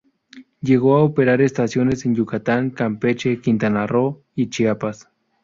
Llegó a operar estaciones en Yucatán, Campeche, Quintana Roo y Chiapas.